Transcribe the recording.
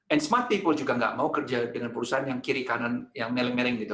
and smart people juga nggak mau kerja dengan perusahaan yang kiri kanan yang meling meling gitu